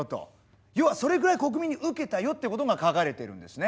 要はそれぐらい国民にウケたよってことが書かれているんですね。